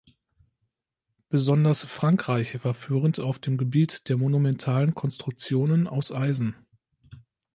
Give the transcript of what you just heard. Besonders Frankreich war führend auf dem Gebiet der monumentalen Konstruktionen aus Eisen.